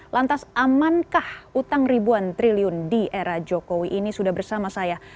lantas amankah utang ribuan triliun di era jokowi ini sudah bersama saya